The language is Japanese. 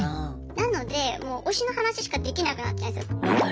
なのでもう推しの話しかできなくなっちゃうんですよ。